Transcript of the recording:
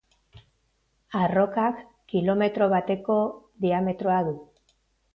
Arrokak kilometro bateko diametroa du.